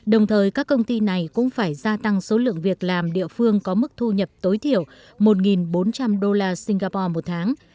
đồng thời các công ty này cũng phải gia tăng số lượng việc làm địa phương có mức thu nhập tối thiểu một bốn trăm linh đô la singapore một tháng